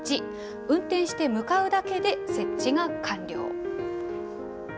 運転して向かうだけで設置が完了。